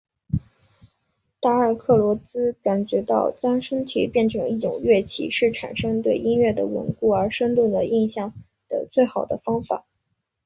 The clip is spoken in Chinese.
达尔克罗兹感觉到将身体变成一种乐器是产生对音乐的稳固而生动的印象的最好的方法。